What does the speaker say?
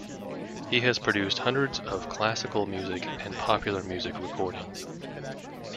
He has produced hundreds of classical music and popular music recordings.